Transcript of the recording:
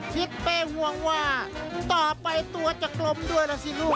ทิศเป้ห่วงว่าต่อไปตัวจะกลมด้วยล่ะสิลูก